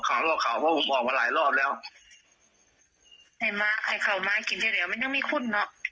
ขอบอกข่าวว่าผมออกมาหลายรอบแล้วไอ้มาร์คไอ้ข่าวมากินเทียวเดี๋ยวไม่ต้องมีคุณเนอะ